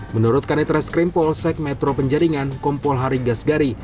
menurut kanitra skrimpol sek metro penjaringan kompol hari gasgari